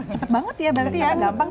cepat banget ya berarti ya